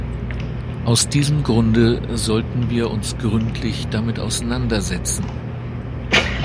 Aus diesem Grunde sollten wir uns gründlich damit auseinandersetzen!